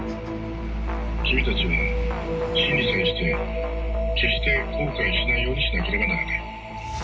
君たちは死に対して決して後悔しないようにしなければならない。